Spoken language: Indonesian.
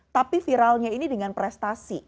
tapi viralnya ini dengan prestasi